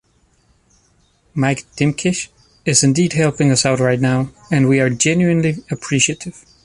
Mike Dimkich is indeed helping us out right now, and we are genuinely appreciative.